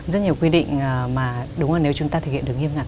rất nhiều quy định mà đúng là nếu chúng ta thực hiện được nghiêm ngặt